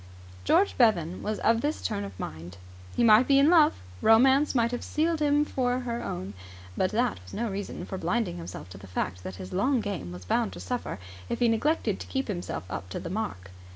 George Bevan was of this turn of mind. He might be in love; romance might have sealed him for her own; but that was no reason for blinding himself to the fact that his long game was bound to suffer if he neglected to keep himself up to the mark.